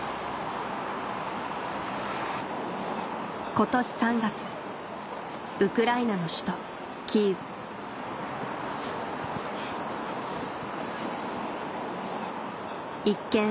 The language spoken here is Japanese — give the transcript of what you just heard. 今年３月ウクライナの首都キーウ一見